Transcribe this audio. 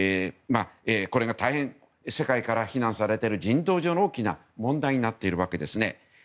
これが大変、世界から非難されている人道上の大きな問題になっているわけです。